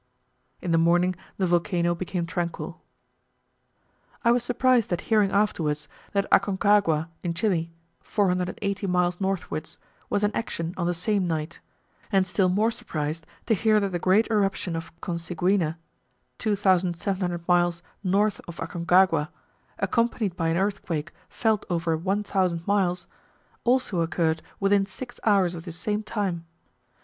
In the morning the volcano became tranquil. I was surprised at hearing afterwards that Aconcagua in Chile, 480 miles northwards, was in action on the same night; and still more surprised to hear that the great eruption of Coseguina (2700 miles north of Aconcagua), accompanied by an earthquake felt over a 1000 miles, also occurred within six hours of this same time.